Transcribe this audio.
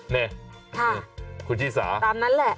นี่คุณชิสาตามนั้นแหละ